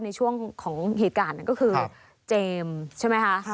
ในช่วงของเหตุการณ์นั้นก็คือเจมส์ใช่ไหมคะ